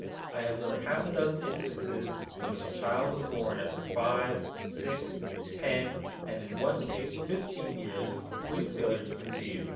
I have known half a dozen instances in which a child was born after five, six, ten, and, in one case, fifteen years of complete failure to conceive.